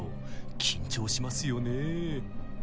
緊張しますよねぇ。